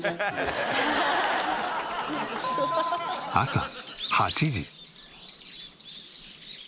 朝８時。